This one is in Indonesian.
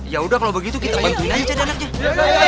ya udah kalau begitu kita bantuin aja jadi anaknya